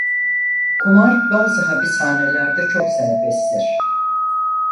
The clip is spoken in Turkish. Kumar bazı hapishanelerde çok serbesttir.